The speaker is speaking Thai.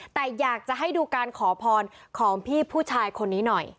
แต่อยากจะให้ดูการขอพรของพี่ผู้ชายคนนี้หน่อย